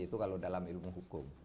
itu kalau dalam ilmu hukum